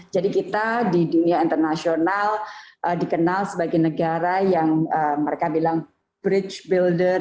jadi kita di dunia internasional dikenal sebagai negara yang mereka bilang bridge builder